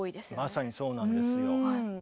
まさにそうなんですよ。